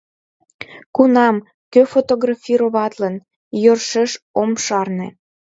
— Кунам, кӧ фотографироватлен — йӧршеш ом шарне.